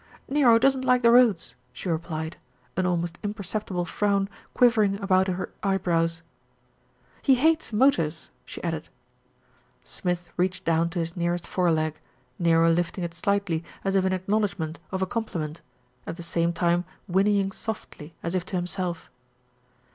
"Nero doesn't like the roads," she replied, an almost imperceptible frown quivering about her eyebrows. "He hates motors," she added. Smith reached down to his nearest foreleg, Nero lifting it slightly as if in acknowledgment of a com pliment, at the same time whinnying softly as if to himself.